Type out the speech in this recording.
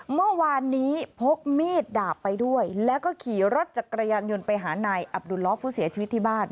เมื่อวานนี้พกมีดดาบไปด้วยแล้วก็ขี่รถจักรยานยนต์ไปหานายอับดุลล้อผู้เสียชีวิตที่บ้าน